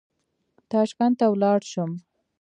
تاشکند ته ولاړ شم.